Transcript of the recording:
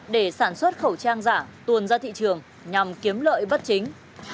để sản xuất khẩu trang giả tuồn ra thị trường nhằm kiếm lợi bất chính